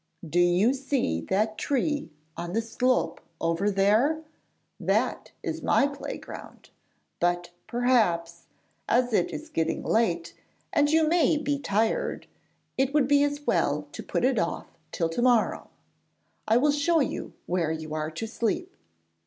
'Do you see that tree on the slope over there? That is my play ground. But, perhaps, as it is getting late and you may be tired, it would be as well to put it off till to morrow. I will show you where you are to sleep.'